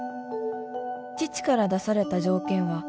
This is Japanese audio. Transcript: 「父から出された条件は」